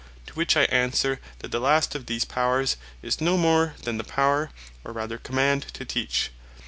To which I answer, that the last of these Powers, is no more than the Power, or rather Command to Teach.